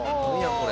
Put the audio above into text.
これ。